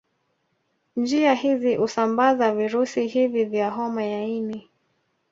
Njia hizi husambaza virusi hivi vya homa ya ini